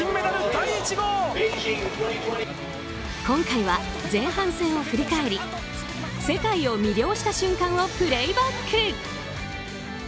今回は前半戦を振り返り世界を魅了した瞬間をプレイバック。